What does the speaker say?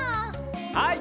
はい。